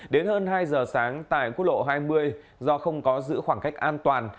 đến hơn hai giờ sáng tại quốc lộ hai mươi do không có giữ khoảng cách an toàn